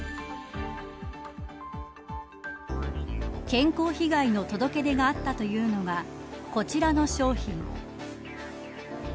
健康被害の届け出があったというのがこちらの商品。